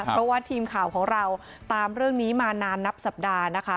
เพราะว่าทีมข่าวของเราตามเรื่องนี้มานานนับสัปดาห์นะคะ